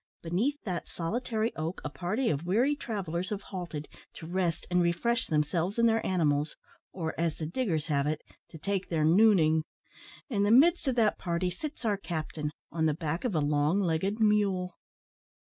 Beneath that solitary oak a party of weary travellers have halted, to rest and refresh themselves and their animals; or, as the diggers have it, to take their "nooning." In the midst of that party sits our captain, on the back of a long legged mule.